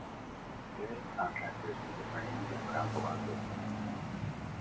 Various contractors made the frames and ground the lenses.